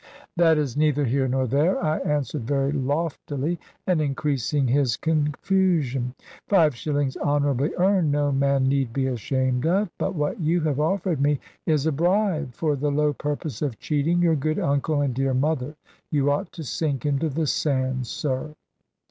"That is neither here nor there," I answered very loftily, and increasing his confusion: "five shillings honourably earned no man need be ashamed of. But what you have offered me is a bribe, for the low purpose of cheating your good uncle and dear mother. You ought to sink into the sand, sir."